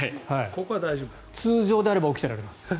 通常であれば起きてられます。